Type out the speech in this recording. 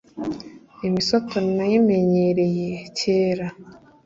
Imisoto nayimenyereye kera!"